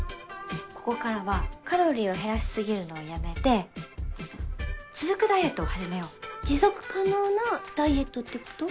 ここからはカロリーを減らしすぎるのをやめて続くダイエットを始めよう持続可能なダイエットってこと？